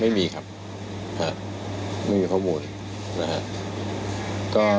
ไม่มีครับอันนี้ไม่มีข้อมูล